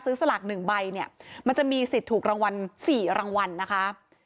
สลาก๑ใบเนี่ยมันจะมีสิทธิ์ถูกรางวัล๔รางวัลนะคะ